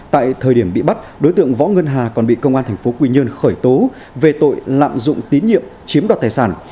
tại thời điểm bị bắt đối tượng võ ngân hà còn bị công an tp quy nhơn khởi tố về tội lạm dụng tín nhiệm chiếm đoạt tài sản